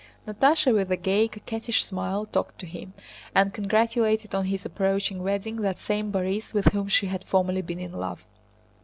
Natásha with a gay, coquettish smile talked to him, and congratulated on his approaching wedding that same Borís with whom she had formerly been in love.